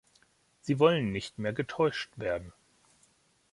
Sie wollen nicht mehr getäuscht werden.